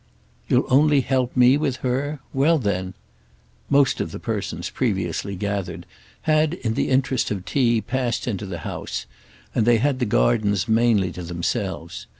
"You'll only help me with her? Well then—!" Most of the persons previously gathered had, in the interest of tea, passed into the house, and they had the gardens mainly to themselves.